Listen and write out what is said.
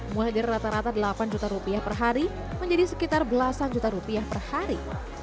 mulai dari rata rata delapan juta rupiah per hari menjadi sekitar belasan juta rupiah per hari